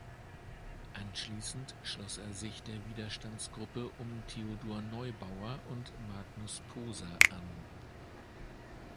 Anschließend schloss er sich der Widerstandsgruppe um Theodor Neubauer und Magnus Poser an.